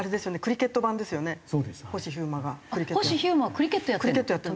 星飛雄馬がクリケットやってるの？